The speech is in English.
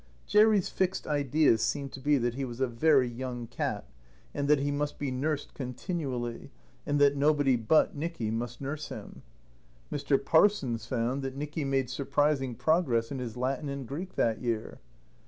Jerry's fixed idea seemed to be that he was a very young cat, and that he must be nursed continually, and that nobody but Nicky must nurse him. Mr. Parsons found that Nicky made surprising progress in his Latin and Greek that year.